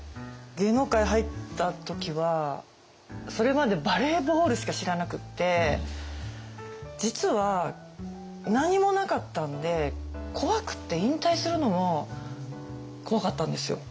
芸能界入った時はそれまでバレーボールしか知らなくって実は何もなかったんで怖くって引退するのも怖かったんですよ。